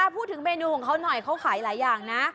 พูดถึงเมนูของเขาหน่อยเขาขายหลายอย่างนะ